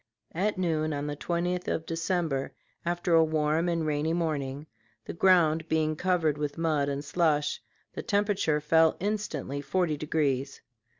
At noon on the 20th of December, after a warm and rainy morning, the ground being covered with mud and slush, the temperature fell instantly forty degrees.